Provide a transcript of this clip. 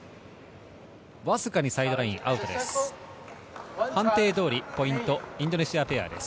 わずかにサイドライン、アウトです。